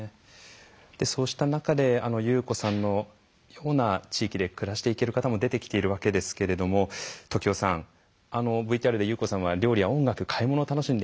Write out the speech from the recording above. そうした中で優子さんのような地域で暮らしていける方も出てきているわけですけれども時男さんＶＴＲで優子さんは料理や音楽買い物を楽しんでいました。